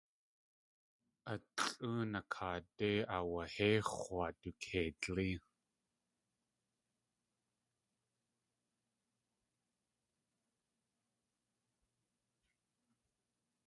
Alʼóon kaadé aawahéix̲waa du keidlí.